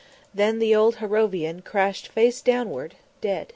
Then the old Harrovian crashed face downward, dead.